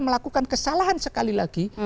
melakukan kesalahan sekali lagi